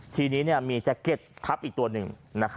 ทีนี้มีแจ็คเก็ตทับอีกตัวหนึ่ง